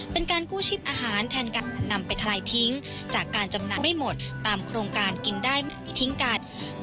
เป็นการกู้ชิบอาหารแทนการนำไปทลายทิ้งจากการจำหน่ายไม่หมดตามโครงการกินได้ไม่ทิ้งกัน